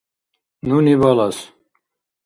Нуни балас.